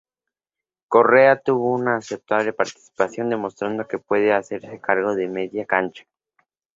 Correa tuvo una aceptable participación demostrando que puede hacerse cargo de la media cancha.